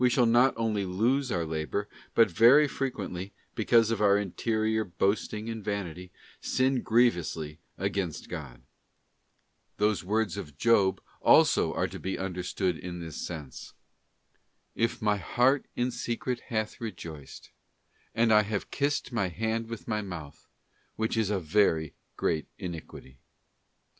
2. ;+ Ih, vi. 3. ee SS GOOD WORKS VITIATED BY SELF LOVE. 279 not .only lose our labour, but, very frequently, because of our interior boasting and vanity, sin grievously against God. Those words of Job also are to be understood in this sense : nas as, MY heart in secret hath rejoiced, and I have kissed my hand with my mouth, which is a very great iniquity.